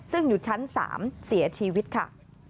ซึ่งอยู่ชั้น๓เสียชีวิตค่ะ